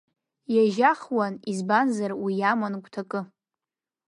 Иажьахуан, избанзар уи иаман гәҭакы…